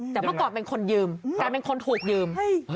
แต่เมื่อก่อนเป็นคนยืมกลายเป็นคนถูกยืม